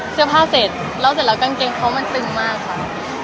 เสื้อผ้าเสร็จแล้วเสร็จแล้วกางเกงเขามันตึงมากค่ะ